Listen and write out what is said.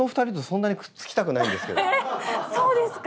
そうですか？